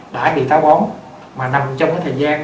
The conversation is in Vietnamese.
đã bị thói quen mà nằm trong cái thời gian